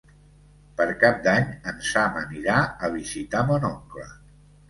Per Cap d'Any en Sam anirà a visitar mon oncle.